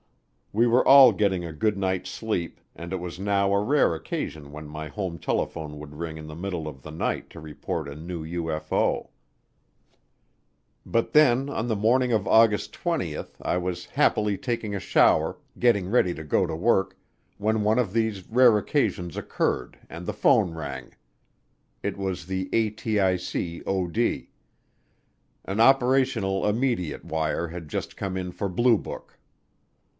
We were all getting a good night's sleep and it was now a rare occasion when my home telephone would ring in the middle of the night to report a new UFO. But then on the morning of August 20 I was happily taking a shower, getting ready to go to work, when one of these rare occasions occurred and the phone rang it was the ATIC OD. An operational immediate wire had just come in for Blue Book.